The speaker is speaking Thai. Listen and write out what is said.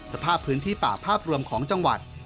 สภาพพื้นที่ป่าภาพรวมของจังหวัด